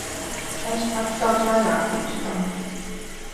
Es pats daudz vairāk ticu tam.